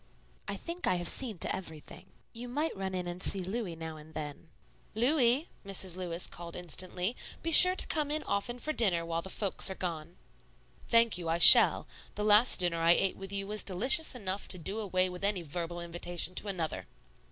"I think I have seen to everything. You might run in and see Louis now and then." "Louis," Mrs. Lewis called instantly, "be sure to come in often for dinner while the folks are gone." "Thank you; I shall. The last dinner I ate with you was delicious enough to do away with any verbal invitation to another."